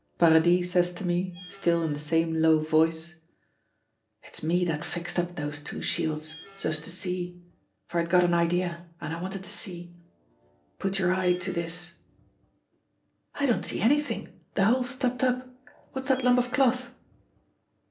Paradis says to me, still in the same low voice, "It's me that fixed up those two shields, so as to see for I'd got an idea, and I wanted to see. Put your eye to this " "I don't see anything; the hole's stopped up. What's that lump of cloth?"